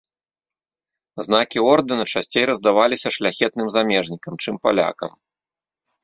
Знакі ордэна часцей раздаваліся шляхетным замежнікам, чым палякам.